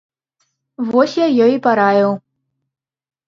Вось я ёй і параіў.